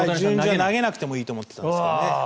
投げなくてもいいと思ってたんですけどね。